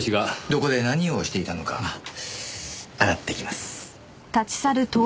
どこで何をしていたのか洗ってきます。